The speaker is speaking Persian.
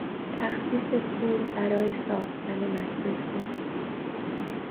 تخصیص پول برای ساختن مدرسه